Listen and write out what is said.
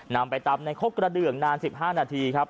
นำไปตำในครกกระเดืองนาน๑๕นาทีครับ